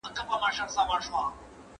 ¬ پورته ډولک، کښته چولک.